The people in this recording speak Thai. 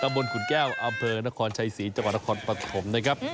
กระบวนขุนแก้วอำเภอนะครชายศรีจังหวัดตะครปฐม